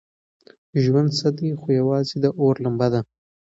ژوند څه دی خو یوازې د اور لمبه ده.